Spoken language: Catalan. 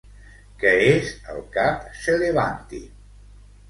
Què és el cap Celebàntic?